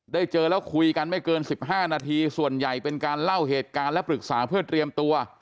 เจอแล้วคุยกันไม่เกิน๑๕นาทีส่วนใหญ่เป็นการเล่าเหตุการณ์และปรึกษาเพื่อเตรียมตัว